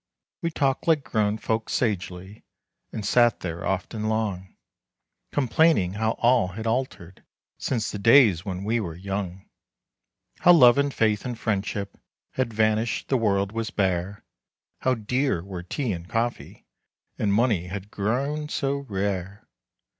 We talked like grown folks sagely, And sat there oft and long, Complaining how all had altered, Since the days when we were young. How love and faith and friendship Had vanished, the world was bare; How dear were tea and coffee, And money had grown so rare!